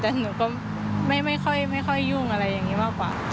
แต่หนูก็ไม่ค่อยยุ่งอะไรอย่างนี้มากกว่า